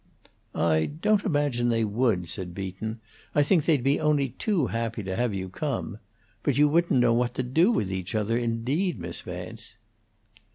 "I don't imagine they would," said Beaton. "I think they'd be only too happy to have you come. But you wouldn't know what to do with each other, indeed, Miss Vance."